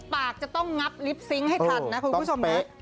ปากจะต้องงับลิปซิงค์ให้ทันนะคุณผู้ชมนะ